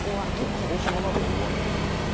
きょう、鹿児島など、大雨ですね。